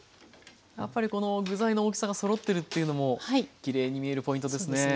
やっぱりこの具材の大きさがそろってるっていうのもきれいに見えるポイントですね。